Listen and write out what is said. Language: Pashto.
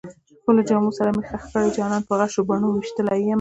خپلو جامو سره مې خښ کړئ جانان په غشو د بڼو ويشتلی يمه